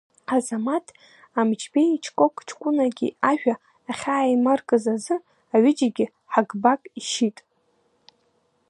Азамаҭ Амҷбеи Чкок ҷкәынаки ажәа ахьааимаркыз азы аҩыџьегь Ҳагбак ишьит.